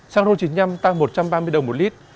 xăng e năm pro chín mươi năm tăng một trăm ba mươi đồng một lít